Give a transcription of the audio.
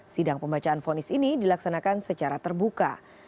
sidang pembacaan fonis ini dilaksanakan secara terbuka